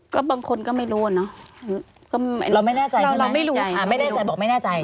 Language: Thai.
ก็บางคนก็ไม่รู้อ่ะเนอะเราไม่แน่ใจเพราะเราไม่รู้ค่ะไม่แน่ใจบอกไม่แน่ใจ